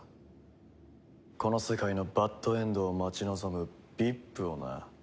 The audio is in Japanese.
この世界のバッドエンドを待ち望むＶＩＰをな。